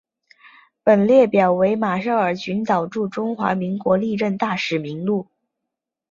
本列表为马绍尔群岛驻中华民国历任大使名录。